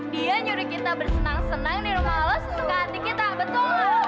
dia nyuri kita bersenang senang di rumah lo sesuka hati kita betul nggak